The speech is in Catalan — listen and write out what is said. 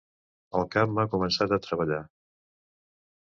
El cap m'ha començat a treballar.